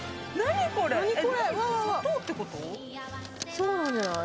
そうなんじゃない？